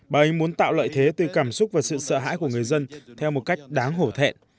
bà ấy muốn tạo lợi thế từ cảm xúc và sự sợ hãi của người dân theo một cách đáng hổ thẹn